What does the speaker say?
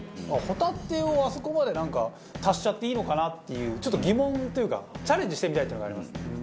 ホタテをあそこまでなんか足しちゃっていいのかなっていうちょっと疑問というかチャレンジしてみたいっていうのがありますね。